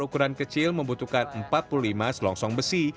ukuran kecil membutuhkan empat puluh lima selongsong besi